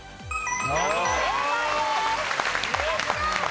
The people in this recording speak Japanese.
正解です。